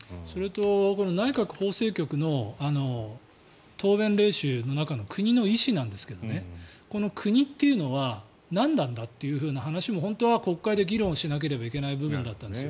内閣法制局の答弁例集の中の国の意思なんですが国っていうのは何なんだっていう話も本当は国会で議論しなければいけない部分だったんです。